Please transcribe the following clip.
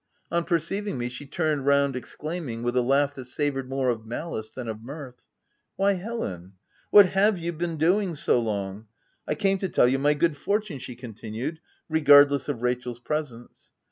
On per ceiving me, she turned round exclaiming, with a laugh that savoured more of malice than of mirth, —" Why Helen ! what have you been doing so long ?— I came to tell you my good fortune," she continued, regardless of Rachel's presence.